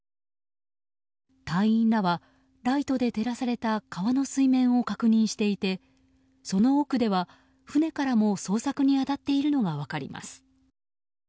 隊員らは、ライトで照らされた川の水面を確認していてその奥では船からも捜索に当たっているのが分かります。